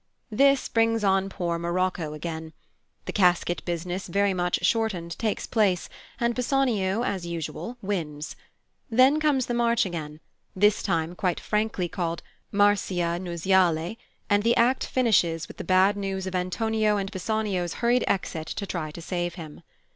This brings on poor Morocco again. The casket business, very much shortened, takes place, and Bassanio, as usual, wins. Then comes the March again, this time quite frankly called "Marcia Nuziale," and the act finishes with the bad news of Antonio and Bassanio's hurried exit to try to save him.